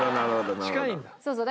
近いんだ。